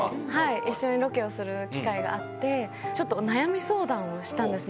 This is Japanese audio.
一緒にロケをする機会があって、ちょっとお悩み相談をしたんですね。